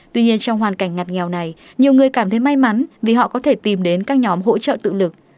tuy nhiên trong hoàn cảnh ngặt nghèo này nhiều người cảm thấy may mắn vì họ có thể tìm đến các nhóm hỗ trợ tự lực